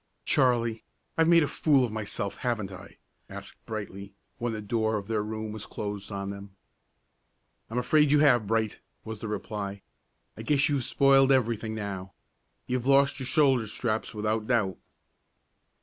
"Charley, I've made a fool of myself, haven't I?" asked Brightly, when the door of their room was closed on them. "I'm afraid you have, Bright," was the reply. "I guess you've spoiled everything now. You've lost your shoulder straps without doubt."